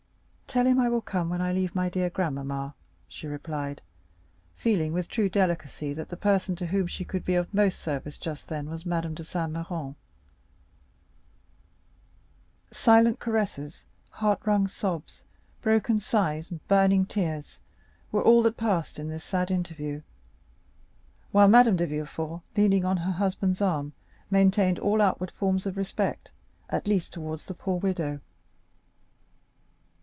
"Tell him I will come when I leave my dear grandmamma," she replied, feeling, with true delicacy, that the person to whom she could be of the most service just then was Madame de Saint Méran. Valentine found her grandmother in bed; silent caresses, heartwrung sobs, broken sighs, burning tears, were all that passed in this sad interview, while Madame de Villefort, leaning on her husband's arm, maintained all outward forms of respect, at least towards the poor widow.